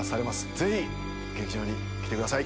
ぜひ劇場に来てください